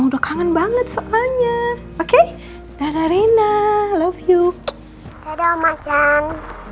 udah kangen banget soalnya oke dadah rina love you dadah om ajan